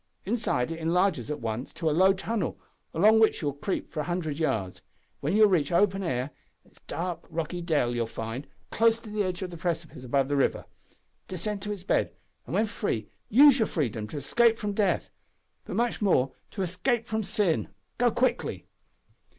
Inside it enlarges at once to a low tunnel, along which you will creep for a hundred yards, when you will reach open air in a dark, rocky dell, close to the edge of the precipice above the river. Descend to its bed, and, when free, use your freedom to escape from death but much more, to escape from sin. Go quickly!"